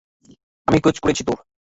আমি খোঁজ করেছি তোর।